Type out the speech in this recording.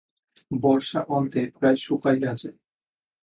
বর্ষা অন্তে প্রায় শুকাইয়া যায়।